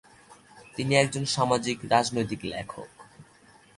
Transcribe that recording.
তিনি একজন সামাজিক-রাজনৈতিক লেখক।